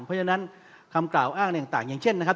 เพราะฉะนั้นคำกล่าวอ้างต่างอย่างเช่นนะครับ